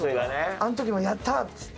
あの時も「やったー」っつって。